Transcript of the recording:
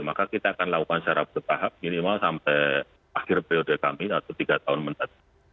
maka kita akan lakukan secara bertahap minimal sampai akhir periode kami atau tiga tahun mendatang